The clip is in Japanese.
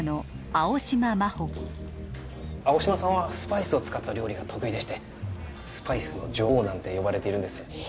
青嶌麻帆青嶌さんはスパイスを使った料理が得意でしてスパイスの女王なんて呼ばれているんです